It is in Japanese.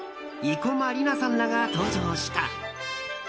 生駒里奈さんらが登場した。